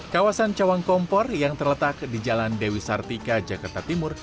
kawasan cawang kompor yang terletak di jalan dewi sartika jakarta timur